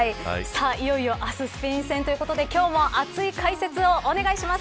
いよいよ明日スペイン戦ということで今日も熱い解説をお願いします。